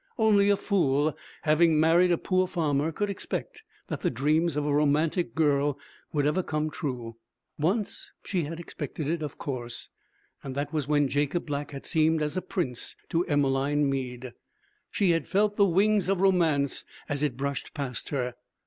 Only a fool, having married a poor farmer, could expect that the dreams of a romantic girl would ever come true. Once she had expected it, of course. That was when Jacob Black had seemed as a prince to Emmeline Mead. She had felt the wing of romance as it brushed past her.